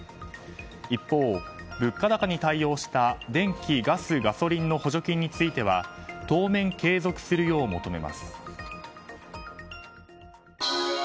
一方、物価高に対応した電気・ガス・ガソリンの補助金については当面継続するよう求めます。